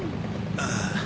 ああ。